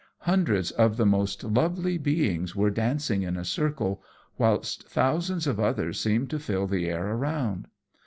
Hundreds of the most lovely beings were dancing in a circle, whilst thousands of others seemed to fill the air around.